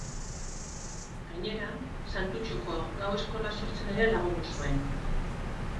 Gainera; Santutxuko Gau Eskola sortzen ere lagundu zuen.